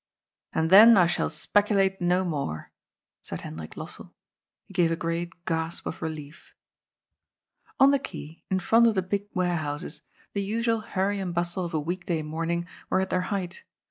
" And then I shall speculate no more," i^id Hendrik Lossell. He gave a great gasp of relief. BROTHERS IN UNITY. 337 On the Quay, in front of the big warehouses, the usual hurry and bustle of a week day morning were at their^ height.